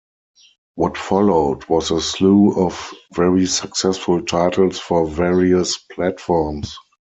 What followed was a slew of very successful titles for various platforms.